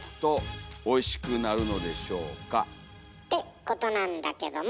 おお。ってことなんだけども。